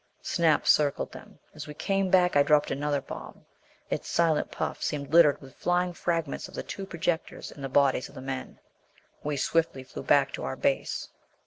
Snap circled them. As we came back I dropped another bomb. Its silent puff seemed littered with flying fragments of the two projectors and the bodies of the men. We swiftly flew back to our base.